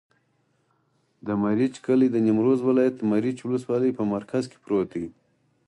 د مريچ کلی د نیمروز ولایت، مريچ ولسوالي په مرکز کې پروت دی.